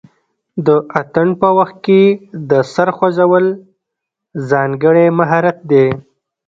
د اتن په وخت کې د سر خوځول ځانګړی مهارت دی.